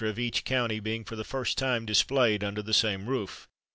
of each county being for the first time displayed under the same roof.